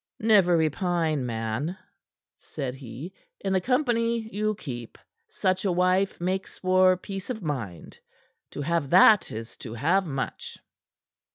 "Never repine, man," said he. "In the company you keep, such a wife makes for peace of mind. To have that is to have much."